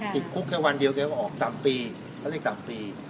ติดคุกแค่วันเดียวก็ออกต่ำปี